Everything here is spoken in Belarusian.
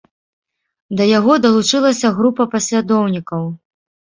Да яго далучылася група паслядоўнікаў.